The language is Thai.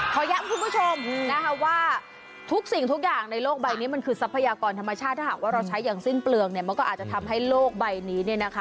ย้ำคุณผู้ชมนะคะว่าทุกสิ่งทุกอย่างในโลกใบนี้มันคือทรัพยากรธรรมชาติถ้าหากว่าเราใช้อย่างสิ้นเปลืองเนี่ยมันก็อาจจะทำให้โลกใบนี้เนี่ยนะคะ